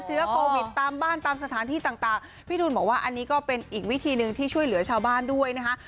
เชื้อโควิดตามบ้านตามสถานที่ต่างพี่ทูลบอกว่าอันนี้ก็เป็นอีกวิธีหนึ่งที่ช่วยเหลือชาวบ้านด้วยนะคะ